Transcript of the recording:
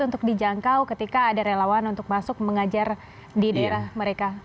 untuk dijangkau ketika ada relawan untuk masuk mengajar di daerah mereka